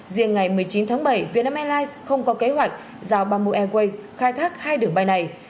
riêng ngày một mươi chín tháng bảy vietnam airlines không có kế hoạch giao bamboo airways khai thác hai đường bay này